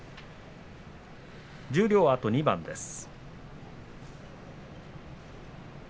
十両は、あと２番です。